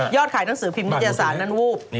ยอดขายหนังสือพิมพ์นิตยาศาลนั้นวูบ